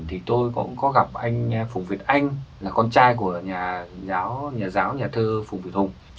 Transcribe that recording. thì tôi cũng có gặp anh phùng việt anh là con trai của nhà giáo nhà giáo nhà thơ phùng việt hùng